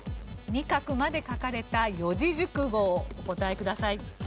二画まで書かれた四字熟語をお答えください。